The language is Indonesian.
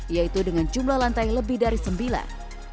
yaitu dengan jumlah lantai lebih dari sembilan